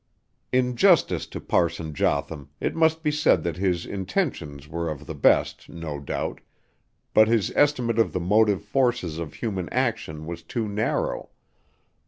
In justice to Parson Jotham it must be said that his intentions were of the best, no doubt, but his estimate of the motive forces of human action was too narrow.